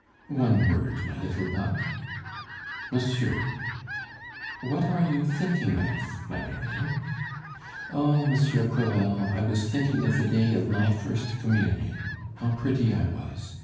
"One word, my little duck?" "Monsieur!" "What are you thinking of, my darling?" "Oh, Monsieur Crevel, I was thinking of the day of my first communion! How pretty I was!